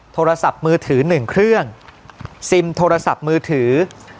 โทรศัพท์มือถือ๑เครื่องซิมโทรศัพท์มือถือ